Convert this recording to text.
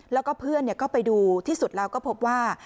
แล้วก็เพื่อนก็ไปดูที่สุดแล้วก็พบว่า